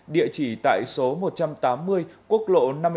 địa chỉ tại số một trăm tám mươi quốc lộ năm mươi bảy